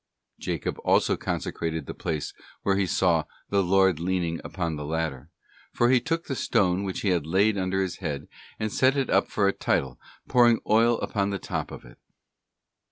* Jacob also consecrated the place where he saw 'the Lord leaning upon the ladder'; for he 'took the stone which he had laid under his head, and set it up for a title, pouring oil upon the top of it.